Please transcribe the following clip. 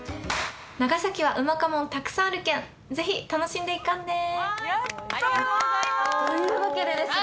長崎はうまかもんたくさんあるけん、ぜひ楽しんでいかんねー。